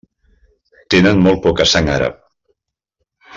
Tenen molt poca sang àrab.